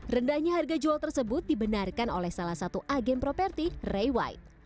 rendahnya harga jual tersebut dibenarkan oleh salah satu agen properti ray white